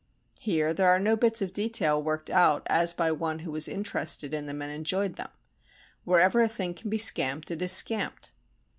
Here there are no bits of detail worked out as by one who was interested in them and enjoyed them. Wherever a thing can be scamped it is scamped.